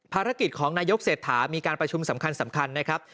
ภารกิจของนายกเศรษฐามีการประชุมสำคัญนะครับ